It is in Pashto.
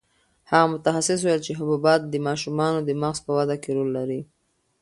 هغه متخصص وویل چې حبوبات د ماشومانو د مغز په وده کې رول لري.